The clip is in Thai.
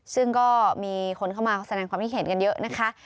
ซึ่งก็มีคนเข้ามาแสดงความคิดเห็นกันเยอะนะคะ